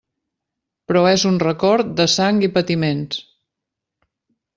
Però és un record de sang i patiments.